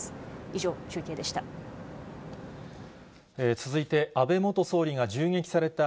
以上、中継でした。